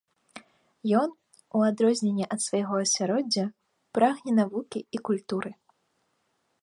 Ён, у адрозненне ад свайго асяроддзя, прагне навукі і культуры.